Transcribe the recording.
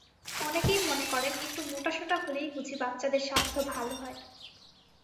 অনেকেই মনে করেন, একটু মোটাসোটা হলেই বুঝি বাচ্চাদের স্বাস্থ্য ভালো হয়।